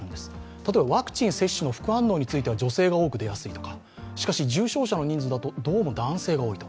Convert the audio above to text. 例えばワクチン接種の副反応については女性が多く出やすいとかしかし重症者の人数だと、どうも男性が多いと。